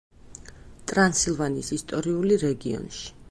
ტრანსილვანიის ისტორიული რეგიონში.